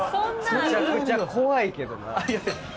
めちゃくちゃ怖いけどな。